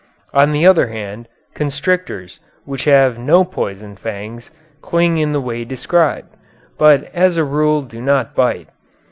On the other hand, constrictors, which have no poison fangs, cling in the way described, but as a rule do not bite.